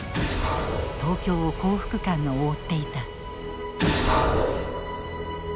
東京を幸福感が覆っていた。